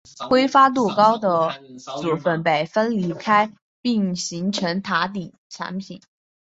挥发度高的组分被分离开并形成塔顶产品。